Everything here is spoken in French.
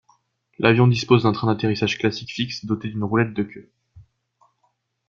L'avion dispose d'un train d'atterrissage classique fixe doté d'une roulette de queue.